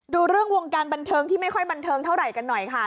ดูเรื่องวงการบันเทิงที่ไม่ค่อยบันเทิงเท่าไหร่กันหน่อยค่ะ